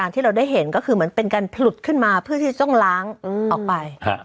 ที่เราได้เห็นก็คือเหมือนเป็นการผลุดขึ้นมาเพื่อที่จะต้องล้างออกไป